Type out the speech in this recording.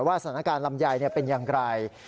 สถานการณ์ลำไยเป็นอย่างไร